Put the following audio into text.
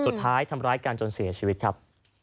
สุดท้ายทำร้ายกันจนเสียชีวิตครับ